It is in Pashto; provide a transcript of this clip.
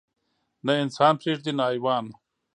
نه انسان پرېږدي نه حيوان.